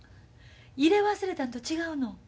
入れ忘れたんと違うの？